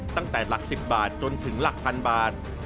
ตั้งแต่หลัก๑๐บาทจนถึงหลักพันบาท